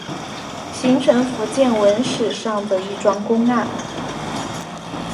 形成福建文史上的一桩公案。